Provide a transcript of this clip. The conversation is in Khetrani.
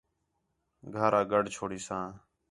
گھر آ گڈھ چھوڑیساں